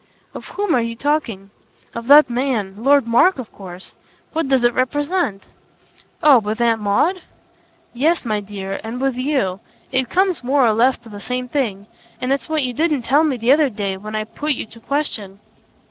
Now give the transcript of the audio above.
"Of whom are you talking?" "Of that man Lord Mark of course. What does it represent?" "Oh with Aunt Maud?" "Yes, my dear and with you. It comes more or less to the same thing; and it's what you didn't tell me the other day when I put you the question."